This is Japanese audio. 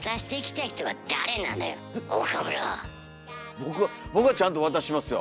僕は僕はちゃんと渡しますよ。